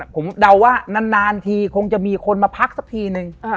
ผมเดาว่านานทีคงจะมีคนมาพักสักทีนึง